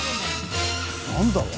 何だろう？